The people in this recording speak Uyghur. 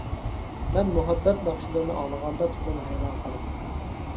مەن مۇھەببەت ناخشىلىرىنى ئاڭلىغاندا تولىمۇ ھەيران قالىمەن.